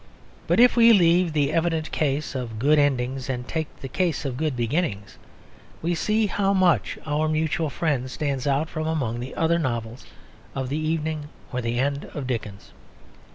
But if we leave the evident case of good endings and take the case of good beginnings, we see how much Our Mutual Friend stands out from among the other novels of the evening or the end of Dickens.